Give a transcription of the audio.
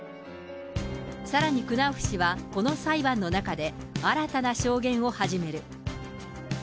さらにクナウフ氏はこの裁判の中で、新たな証言を始める。